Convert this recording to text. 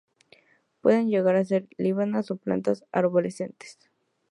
Pueden llegar a ser lianas o plantas arborescentes.